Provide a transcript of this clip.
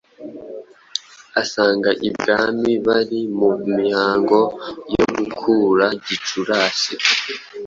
asanga ibwami bari mu mihango yo gukura Gicurasi